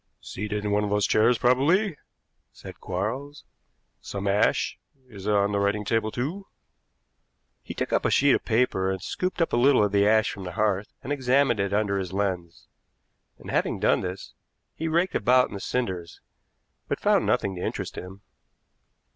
"Seated in one of those chairs probably," said Quarles. "Some ash is on the writing table, too." He took up a sheet of paper and scooped up a little of the ash from the hearth and examined it under his lens; and, having done this, he raked about in the cinders, but found nothing to interest him.